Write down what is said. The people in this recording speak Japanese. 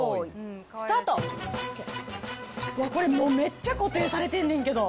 これ、めっちゃ固定されてんねんけど。